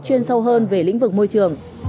chuyên sâu hơn về lĩnh vực môi trường